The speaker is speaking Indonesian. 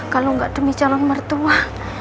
kalo gak demi calon mertua